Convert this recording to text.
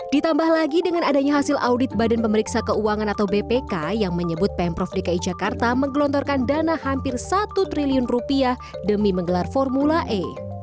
ditambah lagi dengan adanya hasil audit badan pemeriksa keuangan atau bpk yang menyebut pemprov dki jakarta menggelontorkan dana hampir satu triliun rupiah demi menggelar formula e